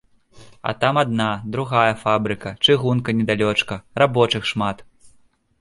А там адна, другая фабрыка, чыгунка недалёчка, рабочых шмат.